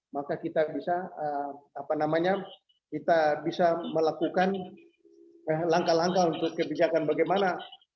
maka kita bisa melakukan langkah langkah untuk kebijakan bagaimana